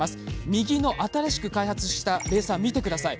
右の新しく開発したレーサー見てください。